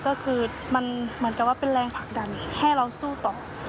ก็คือมันเหมือนกับว่าเป็นแรงผลักดันให้เราสู้ต่อ